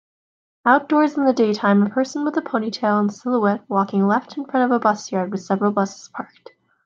Outdoors in the daytime a person with a ponytail in silhouette walking left in front of a bus yard with several buses parked